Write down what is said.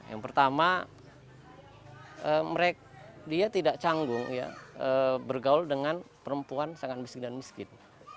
yang pertama dia tidak canggung bergaul dengan perempuan sangat miskin dan miskin